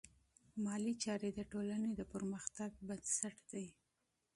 مالي چارې د ټولنې د پرمختګ بنسټ دی.